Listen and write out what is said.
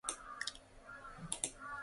"Rhodocyclus" sp.